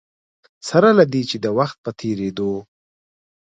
سره له دې چې د وخت په تېرېدو.